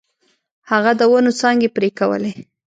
هغه د ونو څانګې پرې کولې.